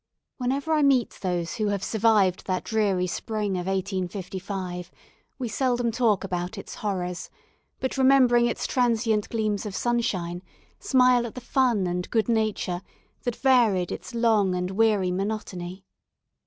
Whenever I meet those who have survived that dreary spring of 1855, we seldom talk about its horrors; but remembering its transient gleams of sunshine, smile at the fun and good nature that varied its long and weary monotony.